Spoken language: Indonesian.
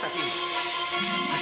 hasilnya jadi robek